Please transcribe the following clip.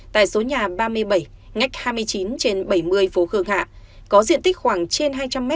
tại số nhà ba mươi bảy ngách hai mươi chín trên bảy mươi phố khương hạ có diện tích khoảng trên hai trăm linh m hai